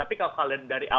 tapi kalau kalian dari awal